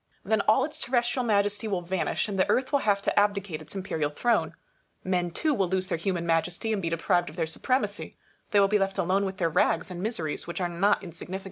Then all its terrestrial majesty will vanish, and the Earth will have to abdicate its imperial throne. COPERNICUS. 175 Men, too, will lose their human majesty, and be deprived of their supremacy ; they will be left alone with their rags, and miseries, which are not insignificant.